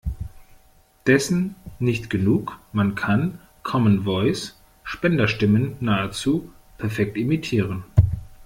Dessen nicht genug: Man kann Common Voice Spenderstimmen nahezu perfekt imitieren.